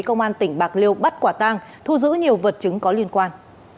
công an tỉnh bạc liêu bắt quả tang thu giữ nhiều vật chứng có liên quan